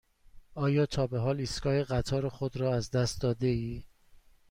آیا تا به حال ایستگاه قطار خود را از دست داده ای؟